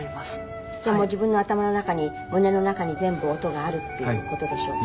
じゃあもう自分の頭の中に胸の中に全部音があるっていう事でしょうか。